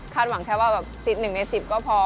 หวังแค่ว่าแบบ๑๑ใน๑๐ก็พอ